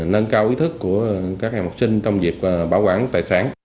nâng cao ý thức của các em học sinh trong việc bảo quản tài sản